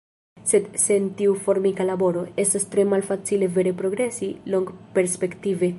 Sed sen tiu formika laboro, estas tre malfacile vere progresi longperspektive.